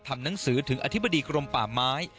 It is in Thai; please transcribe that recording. ทำหนังสือถึงอธิบดีกรมป่าไม้